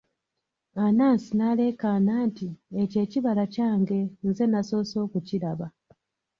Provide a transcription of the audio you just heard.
Anansi n'aleekaana nti, ekyo ekibala kyange, nze nnasoose okukiraba!